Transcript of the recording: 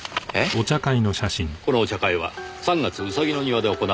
このお茶会は「三月ウサギの庭」で行われています。